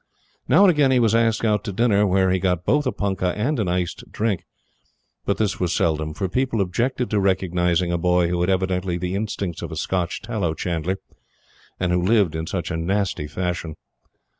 Now and again he was asked out to dinner where he got both a punkah and an iced drink. But this was seldom, for people objected to recognizing a boy who had evidently the instincts of a Scotch tallow chandler, and who lived in such a nasty fashion.